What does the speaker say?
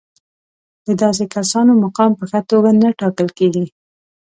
د داسې کسانو مقام په ښه توګه نه ټاکل کېږي.